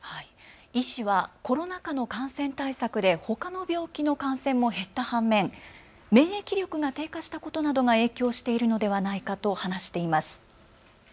医師はコロナ禍の感染対策でほかの病気の感染も減った反面免疫力が低下したことなどが影響しているのではないかと話しています。